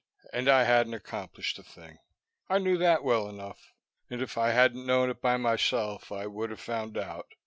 And I hadn't accomplished a thing. I knew that well enough. And if I hadn't known it by myself, I would have found out.